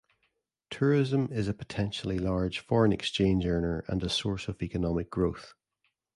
Tourism is a potentially large foreign exchange earner and a source of economic growth.